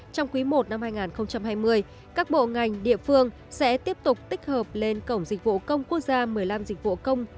trong quý i năm hai nghìn hai mươi các bộ ngành địa phương sẽ tiếp tục tích hợp lên cổng dịch vụ công quốc gia một mươi năm dịch vụ công